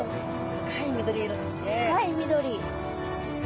深い緑。